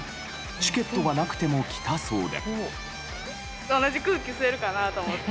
チケットはなくても来たそうで。